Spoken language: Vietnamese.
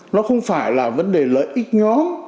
nó không phải là vấn đề lợi ích nhóm